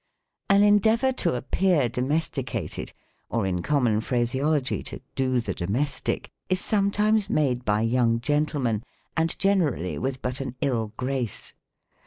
An endeavor to appear domesticated, or in common phraseology, to "do" the domestic, is sometimes made by young gentlemen, and generally with but an ill 110 THE COMIC ENGLISH GRAMMAR. grace.